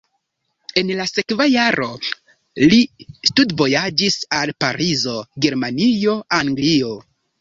En la sekva jaro li studvojaĝis al Parizo, Germanio, Anglio.